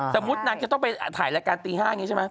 สมมุตินางจะต้องไปถ่ายรายการตี๕อย่างนี้ใช่ไหม